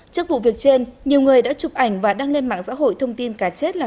trước vụ việc trên nhiều người đã chụp ảnh và đăng lên mạng xã hội thông tin cá chết là